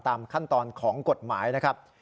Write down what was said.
ตามขั้นตอนของกฎหมายนะครับ